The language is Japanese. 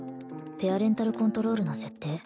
ペアレンタルコントロールの設定